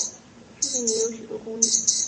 区内也有许多公寓。